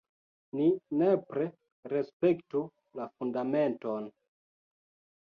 Ni nepre respektu la Fundamenton!